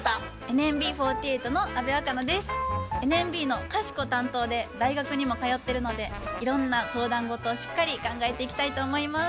ＮＭＢのかしこ担当で大学にも通ってるのでいろんな相談事をしっかり考えていきたいと思います。